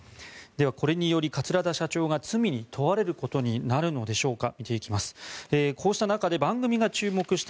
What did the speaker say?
では、これにより桂田社長が罪に問われることになるのでしょうか。